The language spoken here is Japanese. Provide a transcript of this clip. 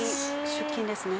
出勤ですね。